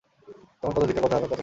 তখন কত ধিক্কার, কত হাহাকার, কত শাসন!